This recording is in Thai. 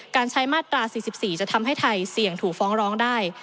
การใช้มาตรา๔๔จะทำให้ไทยเสี่ยงถูกฟ้องร้องได้